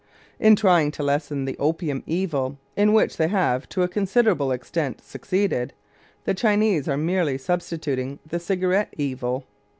In trying to lessen the opium evil, in which they have to a considerable extent succeeded, the Chinese are merely substituting the cigarette evil.